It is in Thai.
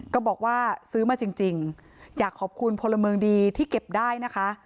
ก็บอกว่าซื้อมาจริงอยากขอบคุณพลเมืองดีที่เก็บได้นะคะ